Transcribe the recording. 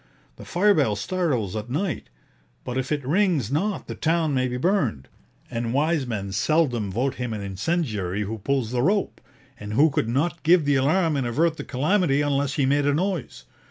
The fire bell startles at night; but if it rings not the town may be burned; and wise men seldom vote him an incendiary who pulls the rope, and who could not give the alarm and avert the calamity unless he made a noise.